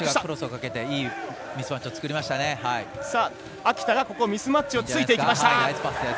秋田がミスマッチをついていきました。